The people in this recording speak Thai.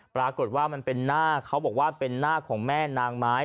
ปรากฏว่ามันเป็นหน้าเขาบอกว่าเป็นหน้าของแม่นางไม้